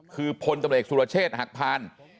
คือพลตำแหลกสุลเชษหัคพาน